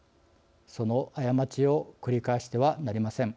その過ちを繰り返してはなりません。